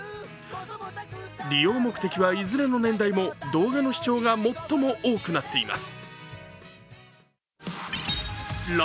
利用目的は、いずれの年代も動画の視聴が最も多くなっています。